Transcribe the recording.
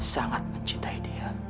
sangat mencintai dia